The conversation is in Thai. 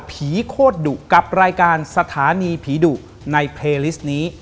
ประการสถานีผีดุในเพลย์ลิสต์นี้